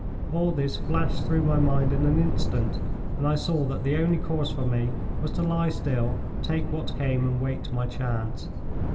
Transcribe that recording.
All this flashed through my mind in an instant, and I saw that the only course for me was to lie still, take what came, and wait my chance.